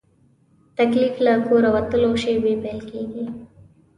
تکلیف له کوره وتلو شېبې پیل کېږي.